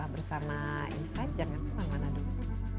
bersama insight jangan kemana mana dulu